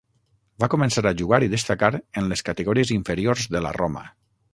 Va començar a jugar i destacar en les categories inferiors de la Roma.